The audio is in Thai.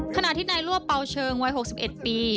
ขณะที่นายรั่วเปล่าเชิงวัย๖๑ปี